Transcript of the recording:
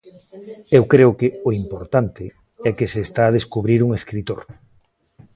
Eu creo que, o importante, é que se está a descubrir un escritor.